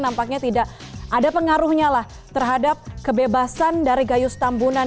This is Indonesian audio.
nampaknya tidak ada pengaruhnya lah terhadap kebebasan dari gayus tambunan